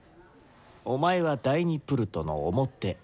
お前は第２プルトの表。